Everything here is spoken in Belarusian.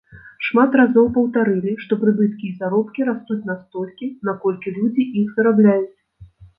Шмат разоў паўтарылі, што прыбыткі і заробкі растуць настолькі, наколькі людзі іх зарабляюць.